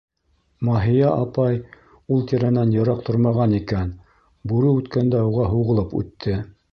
Маһия апай ул тирәнән йыраҡ тормаған икән, бүре үткәндә уға һуғылып үтте.